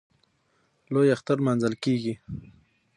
لوی اختر نماځل کېږي.